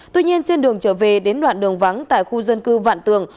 tuy nhiên trên đường trở về đến đoạn đường vắng tại khu dân cư vạn tường